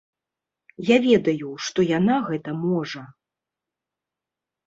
Я ведаю, што яна гэта можа.